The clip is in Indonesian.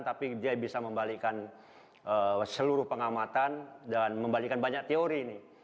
tapi dia bisa membalikan seluruh pengamatan dan membalikan banyak teori ini